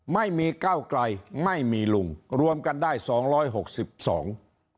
ไม่มีก้าวไกลไม่มีลุงรวมกันได้สองร้อยหกสิบสอง